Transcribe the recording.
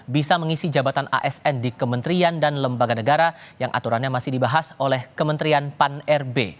bisa mengisi jabatan asn di kementerian dan lembaga negara yang aturannya masih dibahas oleh kementerian pan rb